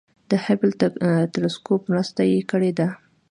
د هبل تلسکوپ مرسته یې کړې ده.